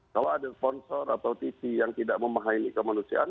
kalau ada sponsor atau tv yang tidak memahami kemanusiaan